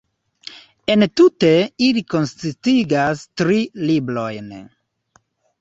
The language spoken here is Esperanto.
Entute ili konsistigas tri "librojn".